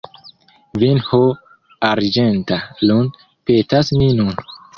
Vin ho arĝenta lun’ petas mi nun.